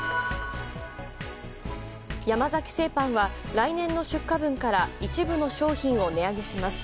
山崎製パンは来年の出荷分から一部の商品を値上げします。